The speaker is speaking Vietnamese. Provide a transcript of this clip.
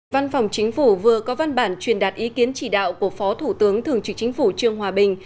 văn phòng chính phủ vừa có văn bản truyền đạt ý kiến chỉ đạo của phó thủ tướng thường trực chính phủ trương hòa bình